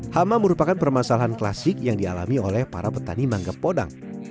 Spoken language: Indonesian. hama merupakan permasalahan klasik yang dialami oleh para petani mangga podang